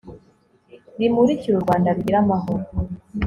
rimurikire u rwanda rugire amahoro